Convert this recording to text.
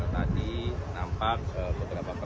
tadi nampak beberapa perempuan